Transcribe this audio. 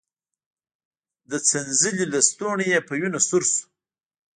د څنځلې لستوڼی يې په وينو سور شو.